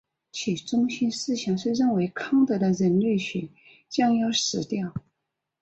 其中心思想是认为康德的人类学将要死掉。